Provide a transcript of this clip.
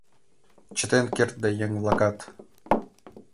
Чытен кертде, еҥ-влакат